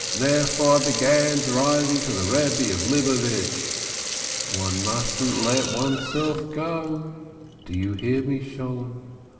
Therefore I began driving to the Eebbe of Libavitch. One mustn't let oneself go! Do you hear me, Sholem?